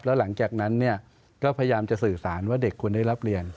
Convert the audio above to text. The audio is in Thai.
แล้วหลังจากนั้นก็พยายามจะสื่อสารว่าเด็กควรได้รับเรียน